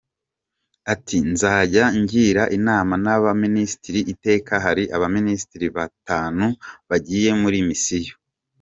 Ati “Nzajya ngira inama n’abaminisitiri iteka hari abaminisitiri batanu bagiye muri misiyo ?